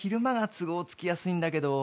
「都合つきやすいんだけど」